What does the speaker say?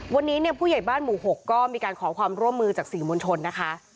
วันนี้เนี่ยผู้ใหญ่บ้านหมู่๖ก็มีการขอความร่วมมือจากสื่อมวลชนนะคะ